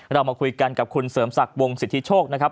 เรามาคุยกันกับคุณเสริมศักดิ์วงสิทธิโชคนะครับ